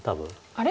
あれ？